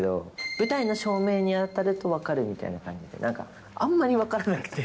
舞台の照明に当たると分かるみたいな感じで、なんかあんまり分かんなくて。